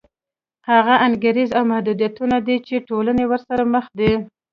هغه انګېزې او محدودیتونه دي چې ټولنې ورسره مخ دي.